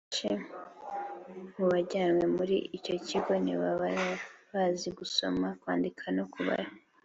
Abenshi mu bajyanwa muri icyo kigo ntibaba bazi gusoma kwandika no kubara